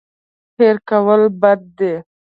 هېر کول بد دی.